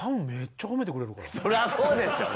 そりゃそうでしょう。